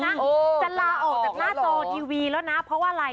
จะลาออกจากหน้าจอทีวีแล้วนะเพราะว่าอะไร